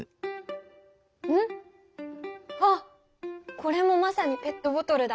これもまさにペットボトルだ！